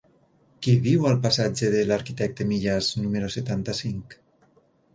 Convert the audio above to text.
Qui viu al passatge de l'Arquitecte Millàs número setanta-cinc?